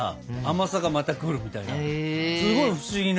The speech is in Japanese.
すごい不思議な。